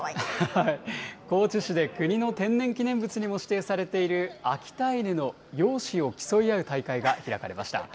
高知市で国の天然記念物にも指定されている秋田犬の容姿を競い合う大会が開かれました。